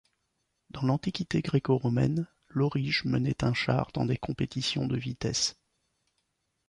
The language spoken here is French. Dans l'Antiquité gréco-romaine, l'aurige menait un char dans des compétitions de vitesse.